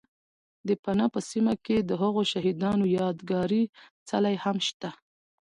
، د پنه په سیمه کې دهغو شهید انو یاد گاري څلی هم شته